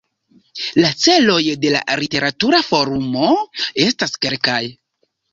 La celoj de la Literatura Forumo estas kelkaj.